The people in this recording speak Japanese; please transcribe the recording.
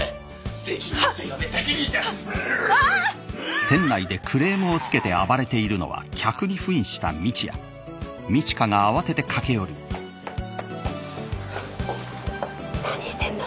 あっ何してんの？